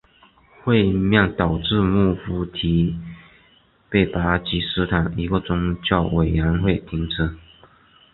会面导致穆夫提被巴基斯坦一个宗教委员会停职。